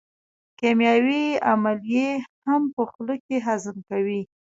کیمیاوي عملیې هم په خوله کې هضم کوي.